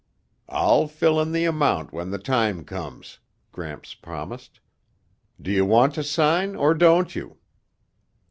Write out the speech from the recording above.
"I'll fill in the amount when the time comes," Gramps promised. "Do you want to sign or don't you?